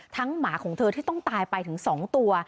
ทั้งหมาของเธอที่ต้องตายไปถึงสองตัว